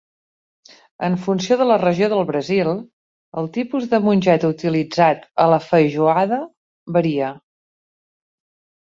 En funció de la regió del Brasil, el tipus de mongeta utilitzat a la feijoada varia.